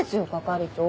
係長。